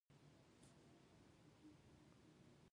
د خپلو فردي نظریاتو او عقدو خوا نیولی شي.